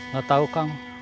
gak tau kang